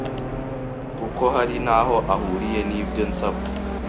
kuko hari n’aho ahuriye n’ibyo nsabwa